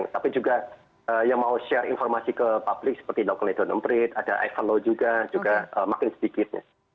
tapi juga yang mau share informasi ke publik seperti nogleton amprit ada ifollow juga juga makin sedikit